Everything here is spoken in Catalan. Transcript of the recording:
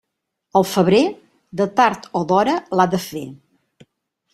El febrer, de tard o d'hora l'ha de fer.